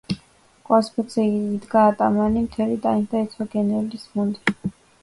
კვარცხლბეკზე იდგა ატამანი მთელი ტანით და ეცვა გენერლის მუნდირი.